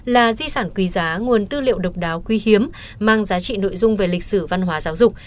là di sản quý giá nguồn tư liệu độc đáo quý hiếm mang giá trị nội dung về lịch sử văn hóa giáo dục